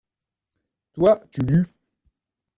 Toi, tu lus.